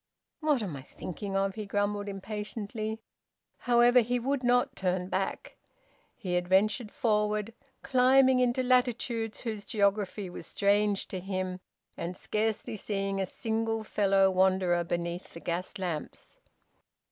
"What am I thinking of?" he grumbled impatiently. However, he would not turn back. He adventured forward, climbing into latitudes whose geography was strange to him, and scarcely seeing a single fellow wanderer beneath the gas lamps.